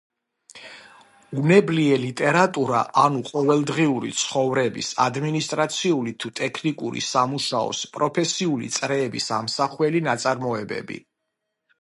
უნებლიე ლიტერატურა, ანუ ყოველდღიური ცხოვრების, ადმინისტრაციული თუ ტექნიკური სამუშაოს, პროფესიული წრეების ამსახველი ნაწარმოებები.